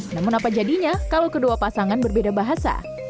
namun apa jadinya kalau kedua pasangan berbeda bahasa